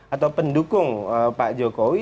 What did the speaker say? atau pendukung pak jokowi